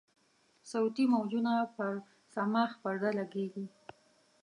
صوتي موجونه پر صماخ پرده لګیږي.